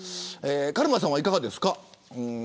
カルマさんはいかがですか。